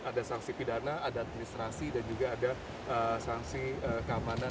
ada sanksi pidana ada administrasi dan juga ada sanksi keamanan